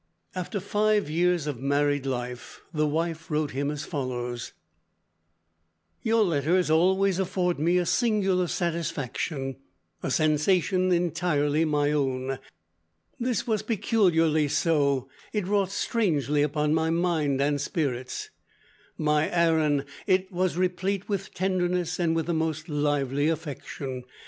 After five years of married life the wife wrote him as follows: "Your letters always afford me a singular satisfaction, a sensation entirely my own. This was peculiarly so. It wrought strangely upon my mind and spirits. My Aaron, it was replete with tenderness and with the most lively affection.